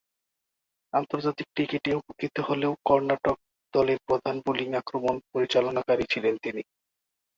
আন্তর্জাতিক ক্রিকেটে উপেক্ষিত হলেও কর্ণাটক দলের প্রধান বোলিং আক্রমণ পরিচালনাকারী ছিলেন তিনি।